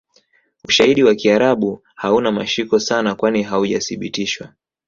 Ushaidi wa kiarabu hauna mashiko sana kwani Haujasibitishwa